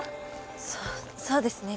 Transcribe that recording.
そそうですね。